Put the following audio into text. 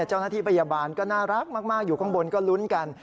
เจ้าหน้าที่พยาบาลก็น่ารักมากอยู่ข้างบนก็ลุ้นกัน